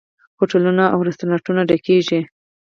هوټلونه او رستورانتونه ډکیږي.